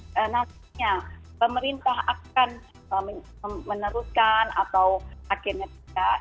karena nantinya pemerintah akan meneruskan atau akhirnya tidak